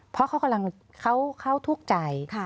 เพราะเขากำลังเขาทุกข์ใจ